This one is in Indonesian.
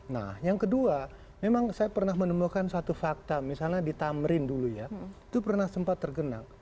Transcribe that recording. nah yang kedua memang saya pernah menemukan satu fakta misalnya di tamrin dulu ya itu pernah sempat tergenang